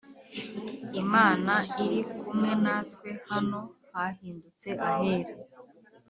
Imana iri kumwe natwe hano ha hindutse ahera